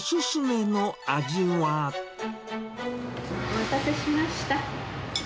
お待たせしました。